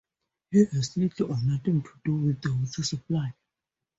He has little or nothing to do with the water supply.